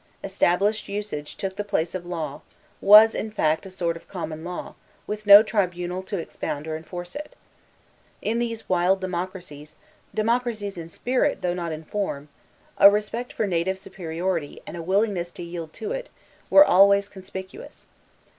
Established usage took the place of law, was, in fact, a sort of common law, with no tribunal to expound or enforce it. In these wild democracies, democracies in spirit, though not in form, a respect for native superiority, and a willingness to yield to it, were always conspicuous.